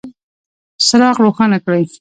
څراغ روښانه کړئ